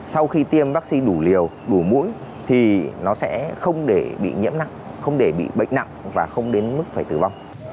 sau khi tiêm vaccine đủ liều đủ mũi thì nó sẽ không để bị nhiễm nặng không để bị bệnh nặng và không đến mức phải tử vong